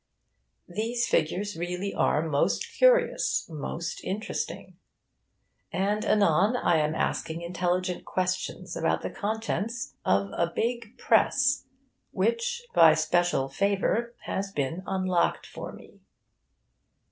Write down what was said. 'These figures really are most curious, most interesting...' and anon I am asking intelligent questions about the contents of a big press, which, by special favour, has been unlocked for me.